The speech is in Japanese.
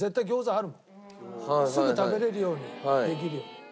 すぐ食べられるようにできるように。